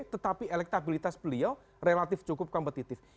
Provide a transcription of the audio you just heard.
tetapi elektabilitas beliau relatif cukup kompetitif